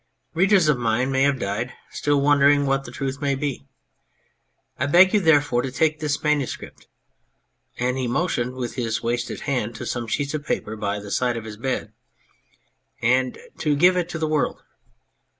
Readers of mine may have died, still wondering what the truth may be. I beg you, therefore, to take this manuscript " (and he motioned with his wasted hand to some sheets of paper by the side of his bed) " and to give it to the world.